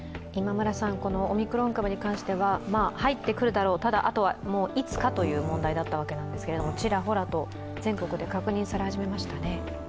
オミクロン株に関しては入ってくるだろうただ、あとはいつかという問題だったわけですけれども、ちらほらと全国で確認され始めましたね。